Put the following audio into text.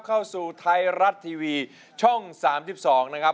เข้าสู่ไทยรัฐทีวีช่อง๓๒นะครับ